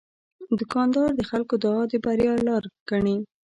دوکاندار د خلکو دعا د بریا لاره ګڼي.